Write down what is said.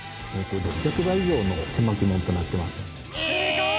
６００倍以上の狭き門となっています。